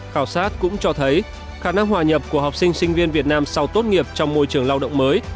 khảo sát cũng cho thấy khả năng hòa nhập của học sinh sinh viên việt nam sau tốt nghiệp trong môi trường lao động mới